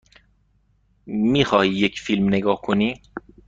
می خواهی یک فیلم نگاه کنی؟